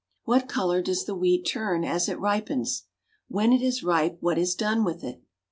What color does the wheat turn as it ripens? When it is ripe what is done with it?